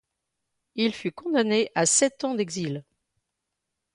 Il fut condamné à sept ans d'exil.